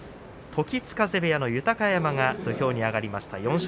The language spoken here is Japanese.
時津風部屋の豊山が土俵に上がりました。